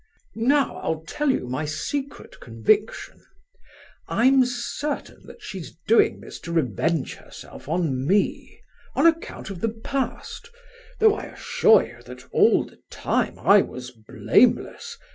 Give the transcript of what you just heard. "Now I'll tell you my secret conviction. I'm certain that she's doing this to revenge herself on me, on account of the past, though I assure you that all the time I was blameless.